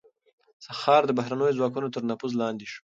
ښار د بهرنيو ځواکونو تر نفوذ لاندې شو.